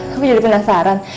aku jadi penasaran